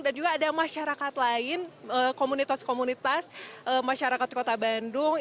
dan juga ada masyarakat lain komunitas komunitas masyarakat kota bandung